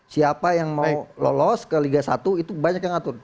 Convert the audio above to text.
siapa yang mau lolos ke liga satu itu banyak yang ngatur